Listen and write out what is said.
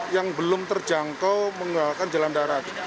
yang belum terjangkau menggunakan jalan darat